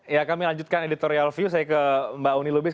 ya kami lanjutkan editorial view saya ke mbak uni lubis